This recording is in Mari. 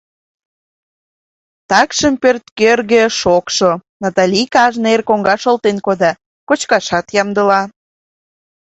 Такшым пӧрт кӧргӧ шокшо, Натали кажне эр коҥгаш олтен кода, кочкашат ямдыла.